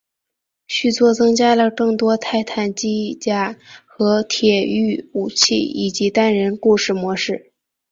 续作增加了更多的泰坦机甲和铁驭武器以及单人故事模式。